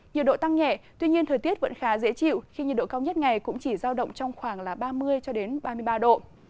nhiệt độ tăng nhẹ tuy nhiên thời tiết vẫn khá dễ chịu khi nhiệt độ cao nhất ngày cũng chỉ giao động trong khoảng ba mươi ba mươi ba độ